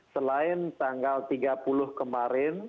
selain tanggal tiga puluh kemarin